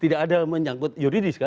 tidak ada menyangkut juridis